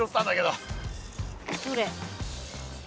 どれ？